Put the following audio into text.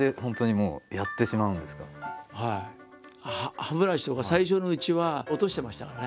歯ブラシとか最初のうちは落としてましたからね。